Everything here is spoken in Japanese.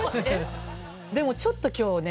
でもちょっと今日ね